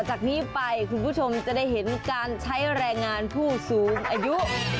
จากนี้ไปคุณผู้ชมจะได้เห็นการใช้แรงงานผู้สูงอายุ